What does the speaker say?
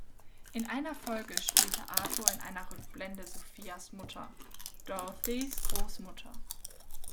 In einer Folge spielte Arthur in einer Rückblende Sophias Mutter, Dorothys Großmutter.